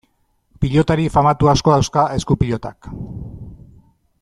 Pilotari famatu asko dauzka esku-pilotak.